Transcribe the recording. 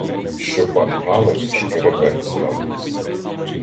Що пан Галес шкереберть став.